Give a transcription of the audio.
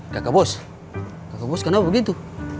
kakak bos kakak bos kenapa begitu